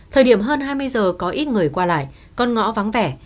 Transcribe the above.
thời điểm hơn hai mươi giờ có ít người qua lại con ngõ vắng vẻ